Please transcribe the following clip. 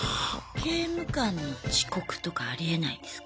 刑務官の遅刻とかありえないんですか？